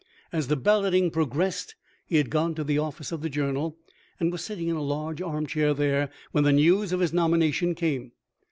As the balloting progressed he had gone to the office of the Journal, and was sitting in a large arm chair there when the news of his nomination came.